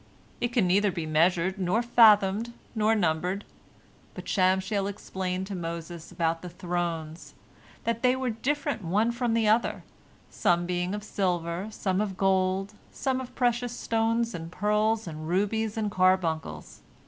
It can neither be measured nor fathomed nor numbered. But Shamshiel explained to Moses about the thrones, that they were different one from the other, some being of silver, some of gold, some of precious stones and pearls and rubies and carbuncles.